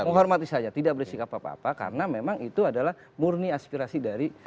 menghormati saja tidak bersikap apa apa karena memang itu adalah murni aspirasi dari